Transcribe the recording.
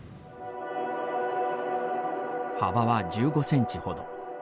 幅は１５センチほど。